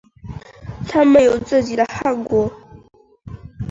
他们有自己的汗国。